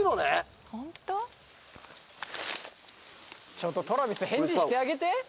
ちょっとＴｒａｖｉｓ返事してあげて。